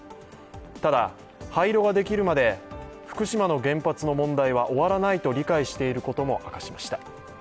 ただ、廃炉ができるまで福島の原発の問題は終わらないと理解していることも明かしました。